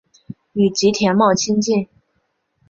与吉田茂亲近。